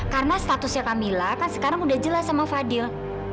karena statusnya kamilah kan sekarang udah jelas sama fadil